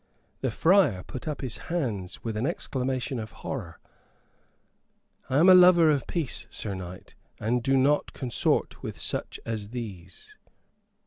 The friar put up his hands with an exclamation of horror. "I am a lover of peace, Sir Knight, and do not consort with such as these."